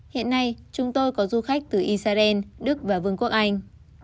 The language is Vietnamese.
hiện nay chúng tôi có du khách từ israel đức và vương quốc anh